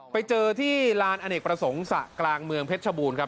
ไปเจอที่ลานอเนกประสงค์สระกลางเมืองเพชรชบูรณ์ครับ